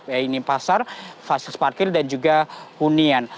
yaitu pasar fasilitas parkir dan juga hunian